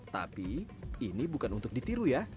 tapi ini bukan untuk ditiru ya